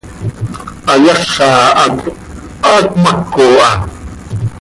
Hayaza hac haa cmaco ha.